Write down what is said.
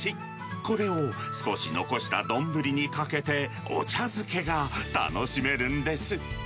これを少し残した丼にかけてお茶漬けが楽しめるんです。